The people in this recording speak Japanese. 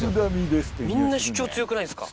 みんな主張強くないですか。